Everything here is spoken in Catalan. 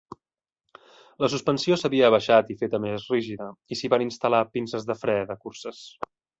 La suspensió s'havia abaixat i feta més rígida, i s'hi van instal·lar pinces de fre de curses.